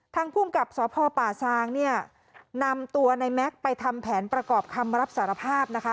ภูมิกับสพป่าซางเนี่ยนำตัวในแม็กซ์ไปทำแผนประกอบคำรับสารภาพนะคะ